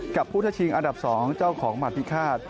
กับพุทธชิงอันดับสองเจ้าของหมัดพิฆาต